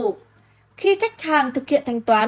khi khách hàng thực hiện thanh toán